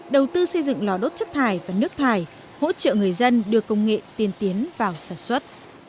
đầu tư xây dựng lò đốt chất thải và nước thải hỗ trợ người dân đưa công nghệ tiên tiến vào sản xuất